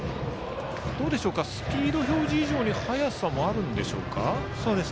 スピード表示以上に速さもあるんでしょうか。